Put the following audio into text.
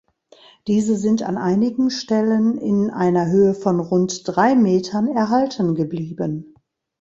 Diese sind an einigen Stellen in einer Höhe von rund drei Metern erhalten geblieben.